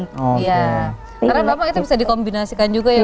karena bapak itu bisa dikombinasikan juga ya bu